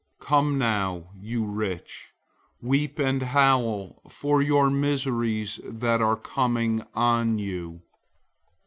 005:001 Come now, you rich, weep and howl for your miseries that are coming on you.